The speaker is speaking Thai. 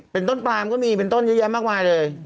เป็นต้นปลามก็มีเป็นต้นเยอะแยะมากมายเลย